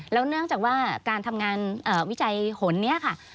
แล้วเนื่องจากว่าการทำงานวิจัยหนนี้ค่ะ